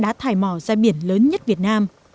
đó là đất đá thải mò ra biển lớn nhất việt nam